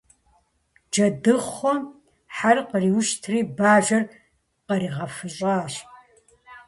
Джэдыхъуэм хьэ къриуштри Бажэр къригъэфыщӀащ.